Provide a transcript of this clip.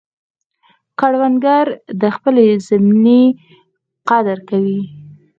کروندګر د خپلې زمینې قدر کوي